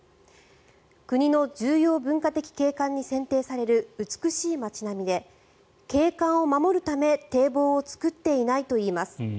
国の重要文化的景観に選定される美しい街並みで景観を守るため堤防を作っていないといいます。